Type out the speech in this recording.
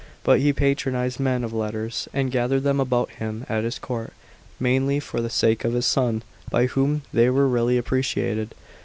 But he patronised men of letters, and gathered them about him at his court, mainly for the sake of his son, by whom they were really appreciated.